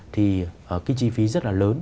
thì cái chi phí rất là lớn